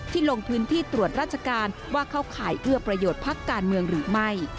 ลงพื้นที่ตรวจราชการว่าเข้าข่ายเอื้อประโยชน์พักการเมืองหรือไม่